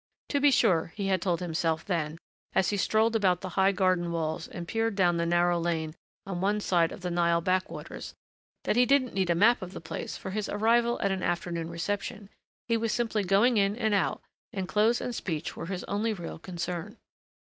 To be sure he had told himself, then, as he strolled about the high garden walls and peered down the narrow lane on one side of the Nile backwaters, that he didn't need a map of the place for his arrival at an afternoon reception; he was simply going in and out, and clothes and speech were his only real concern.